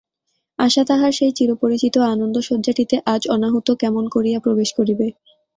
আশা তাহার সেই চিরপরিচিত আনন্দশয্যাটিতে আজ অনাহূত কেমন করিয়া প্রবেশ করিবে।